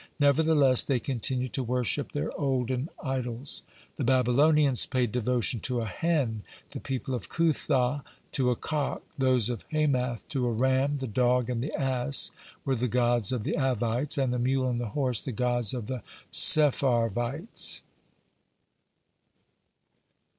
Nevertheless they continued to worship their olden idols: the Babylonians paid devotion to a hen, the people of Cuthah to a cock, those of Hamath to a ram, the dog and the ass were the gods of the Avvites, and the mule and the horse the gods of the Sepharvites.